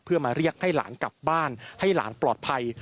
เพื่อมาเรียกให้หลานกลับบ้านให้หลานปลอดภัย